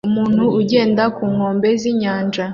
Umuntu ugenda ku nkombe z'inyanja